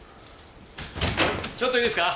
ちょっといいですか？